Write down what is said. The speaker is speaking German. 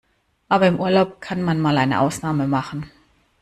Aber im Urlaub kann man mal eine Ausnahme machen.